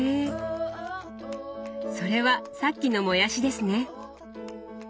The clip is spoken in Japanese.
それはさっきのもやしですね。